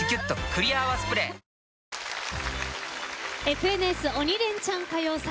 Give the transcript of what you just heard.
「ＦＮＳ鬼レンチャン歌謡祭」。